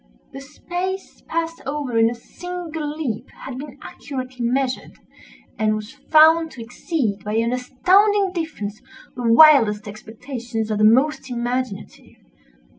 The space passed over in a single leap had been accurately measured, and was found to exceed, by an astounding difference, the wildest expectations of the most imaginative.